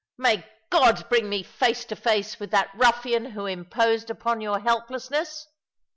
*'May God bring me face to face with that ruffian who imposed upon your helplessness